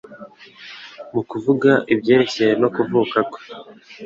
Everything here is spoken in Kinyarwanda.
Mu kuvuga ibyerekeranye no kuvuka kwe,